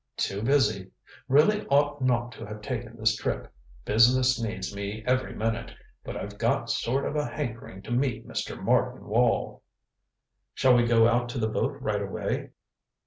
Too busy. Really ought not to have taken this trip business needs me every minute but I've got sort of a hankering to meet Mr. Martin Wall." "Shall we go out to the boat right away?"